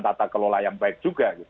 tata kelola yang baik juga